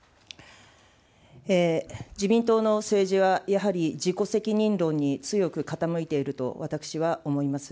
自民党の政治はやはり自己責任論に強く傾いていると私は思います。